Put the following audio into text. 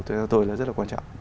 theo tôi là rất là quan trọng